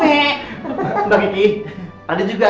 mbak gigi tadi juga